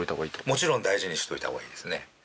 もちろん大事にしといた方がいいですね。